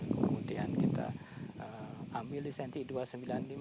kemudian kita ambil lisensi dua ratus sembilan puluh lima